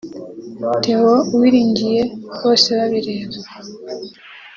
’Theo Uwiringiye Bosebabireba’